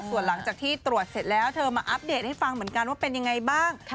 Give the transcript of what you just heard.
ส่วนหลังจากที่ตรวจเสร็จแล้วเธอมาอัปเดตให้ฟังเหมือนกันว่าเป็นยังไงบ้าง